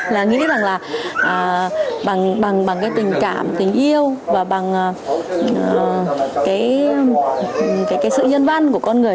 là nghĩ rằng là bằng cái tình cảm tình yêu và bằng cái sự nhân văn của con người